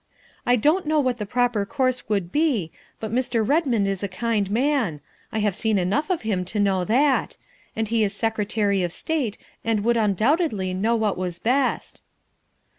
I don't know what the proper course would be, but Mr. Redmond is a kind man, I have seen enough of him to know that, and he is Secretary of State and would undoubtedly know what was best."